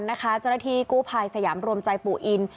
เจ้าหน้าที่กู้ภัยสยามรวมใจปู่อิน